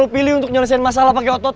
pilih untuk nyelesain masalah pake otot